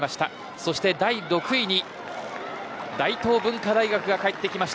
そして第６位に大東文化大学が入ってきました。